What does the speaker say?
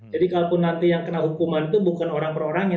jadi kalau pun nanti yang kena hukuman itu bukan orang orangnya